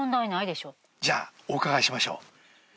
じゃあお伺いしましょう。